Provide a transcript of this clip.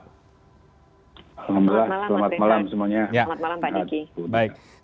selamat malam pak adhiki